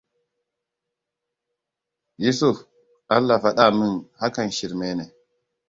Yusuf Allah faɗa min hakan shirme ne.